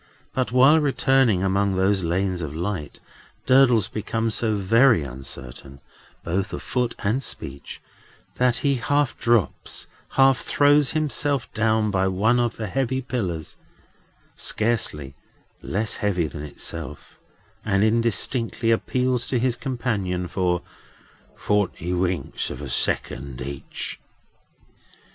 But, while returning among those lanes of light, Durdles becomes so very uncertain, both of foot and speech, that he half drops, half throws himself down, by one of the heavy pillars, scarcely less heavy than itself, and indistinctly appeals to his companion for forty winks of a second each.